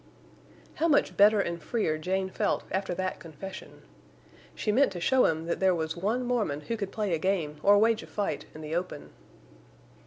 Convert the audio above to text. How much better and freer Jane felt after that confession! She meant to show him that there was one Mormon who could play a game or wage a fight in the open.